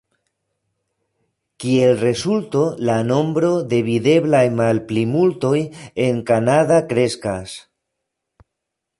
Kiel rezulto la nombro de videblaj malplimultoj en Kanada kreskas.